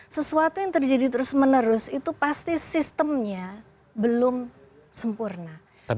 sesuatu yang terjadi terus menerus itu pasti sistemnya belum sempurna